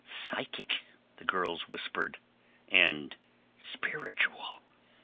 "Psychic," the girls whispered, and "spiritual."